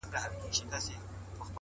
ټول ژوند د غُلامانو په رکم نیسې”